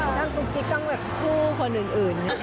คลุกกิ๊กต้องแบบคู่คนอื่น